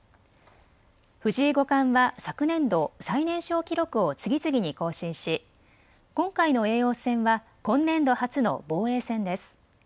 藤井五冠は昨年度最年少記録を次々に更新し今回の叡王戦は今年度初の防衛戦です。